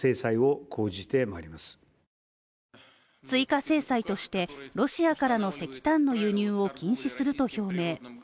追加制裁として、ロシアからの石炭の輸入を禁止すると表明。